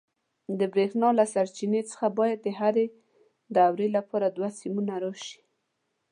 د برېښنا له سرچینې څخه باید د هرې دورې لپاره دوه سیمونه راشي.